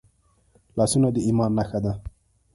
لاسونه د ایمان نښه ده